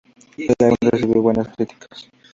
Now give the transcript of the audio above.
El álbum recibió buenas críticas.